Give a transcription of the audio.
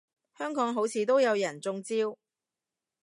香港好似都有人中招